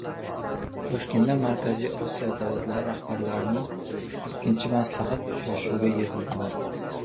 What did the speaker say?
Toshkentda Markaziy Osiyo davlatlari rahbarlari ikkinchi Maslahat uchrashuviga yig‘ildilar